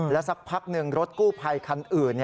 แล้วสักพักหนึ่งรถกู้ไฟคันอื่น